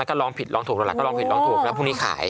แล้วก็ลองผิดลองถูกแล้วพรุ่งนี้ขาย